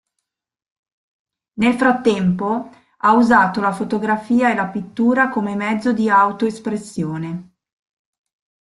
Nel frattempo, ha usato la fotografia e la pittura come mezzo di auto-espressione.